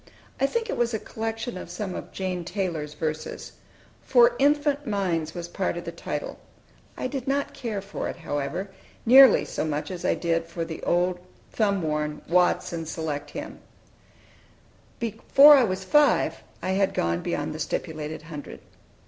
I think it was a collection of some of Jane Taylor's verses. "For Infant Minds," was part of the title. I did not care for it, however, nearly so much as I did for the old, thumb worn "Watts' and Select Hymns." Before I was five I bad gone beyond the stipulated hundred.